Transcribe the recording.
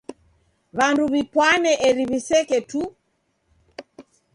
W'andu w'ipwane eri w'iseke tu.